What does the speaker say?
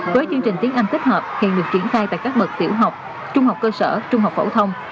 với chương trình tiếng anh tích hợp hiện được triển khai tại các bậc tiểu học trung học cơ sở trung học phổ thông